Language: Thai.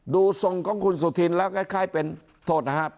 ทรงของคุณสุธินแล้วคล้ายเป็นโทษนะครับ